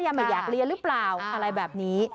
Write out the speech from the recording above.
ไม่อยากเรียนหรือเปล่าอะไรแบบนี้